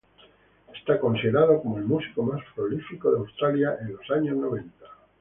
Está considerado como el músico más prolífico de Australia en los años noventa.